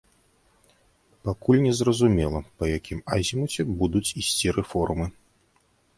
Пакуль не зразумела, па якім азімуце будуць ісці рэформы.